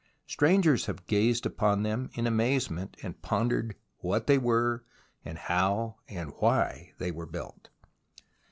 Strangers have gazed upon them in amazement, and pondered what they were and how and why they were built.